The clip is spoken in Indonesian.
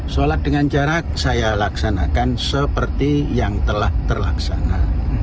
sholat dengan jarak saya laksanakan seperti yang telah terlaksana